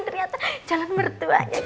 ternyata jalan berduanya